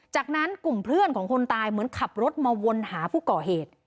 จากนั้นกลุ่มเพื่อนของคนตายเหมือนขับรถมาวนหาผู้ก่อเหตุ